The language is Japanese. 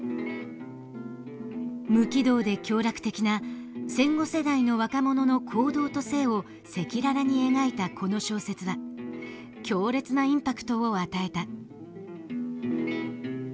無軌道で享楽的な戦後世代の若者の行動と性を赤裸々に描いたこの小説は強烈なインパクトを与えた。